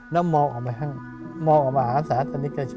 แล้วมองออกไปหาสาธารณิชย์ชนชน